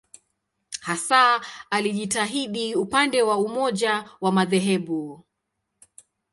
Hasa alijitahidi upande wa umoja wa madhehebu.